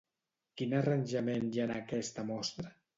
Quin arranjament hi ha en aquesta mostra?